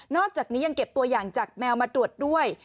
อกจากนี้ยังเก็บตัวอย่างจากแมวมาตรวจด้วย